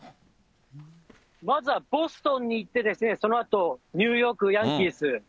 まずはボストンに行って、そのあとニューヨークヤンキース。